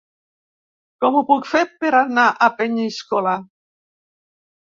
Com ho puc fer per anar a Peníscola?